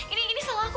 ini ini salah aku